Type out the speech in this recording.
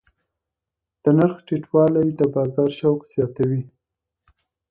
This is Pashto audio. د نرخ ټیټوالی د بازار شوق زیاتوي.